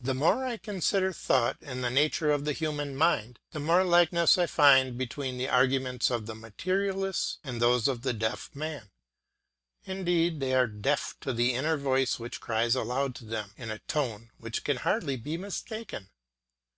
The more I consider thought and the nature of the human mind, the more likeness I find between the arguments of the materialists and those of the deaf man. Indeed, they are deaf to the inner voice which cries aloud to them, in a tone which can hardly be mistaken.